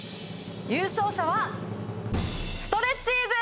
優勝者はストレッチーズ！